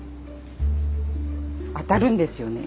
当たるんですよね。